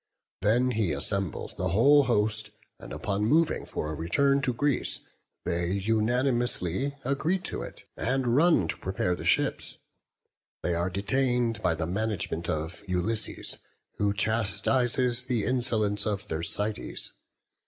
Then he assembles the whole host, and upon moving for a return to Greece, they unanimously agree to it, and run to prepare the ships. They are detained by the management of Ulysses, who chastises the insolence of Thersites.